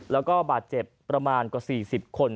แล้วก็บาดเจ็บประมาณกว่า๔๐คน